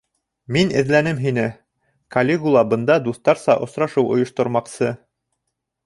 Мин эҙләнем һине, Калигула бында дуҫтарса осрашыу ойоштормаҡсы.